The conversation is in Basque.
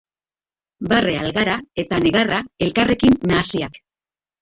Barre algara eta negarra elkarrekin nahasiak.